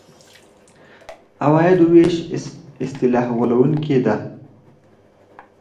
عوایدو وېش اصطلاح غولوونکې ده.